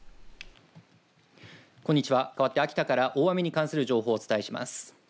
こんにちはかわって秋田から大雨に関する情報をお伝えします。